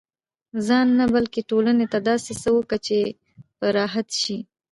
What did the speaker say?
ځان نه، بلکي ټولني ته داسي څه وکه، چي په راحت سي.